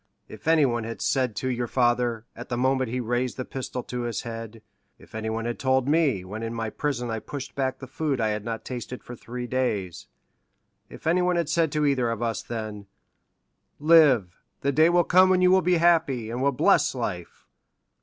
If anyone had said to your father, at the moment he raised the pistol to his head—if anyone had told me, when in my prison I pushed back the food I had not tasted for three days—if anyone had said to either of us then, 'Live—the day will come when you will be happy, and will bless life!